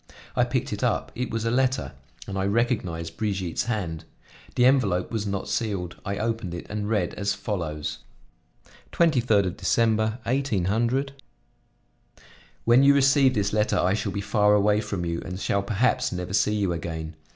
I picked it up; it was a letter, and I recognized Brigitte's hand. The envelope was not sealed. I opened it and read as follows: 23 December, 18 "When you receive this letter I shall be far away from you, and shall perhaps never see you again.